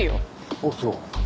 あっそう？